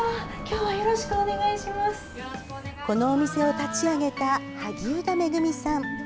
このお店を立ち上げた萩生田愛さん。